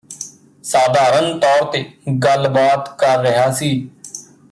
ਸਾਧਾਰਨ ਤੌਰ ਤੇ ਗੱਲਬਾਤ ਕਰ ਰਿਹਾ ਸੀ